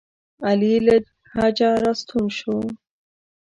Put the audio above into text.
علي له حجه راستون شو.